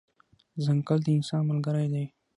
ځنګل د انسان ملګری دی.